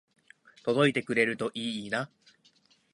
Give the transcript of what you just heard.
届いてくれるといいな